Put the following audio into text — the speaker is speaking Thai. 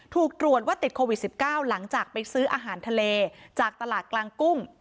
ถูกตรวจว่าติดโควิด๑๙หลังจากไปซื้ออาหารทะเลจากตลาดกลางกุ้ง